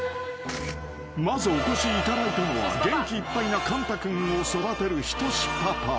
［まずお越しいただいたのは元気いっぱいなかんた君を育てるひとしパパ］